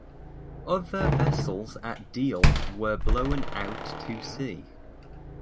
Other vessels at Deal were blown out to sea.